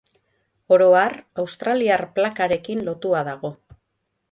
Oro har, Australiar Plakarekin lotua dago.